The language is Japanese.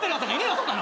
そんなの。